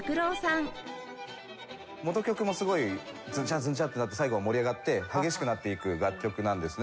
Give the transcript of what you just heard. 元曲もすごいズンチャズンチャってなって最後は盛り上がって激しくなっていく楽曲なんですね。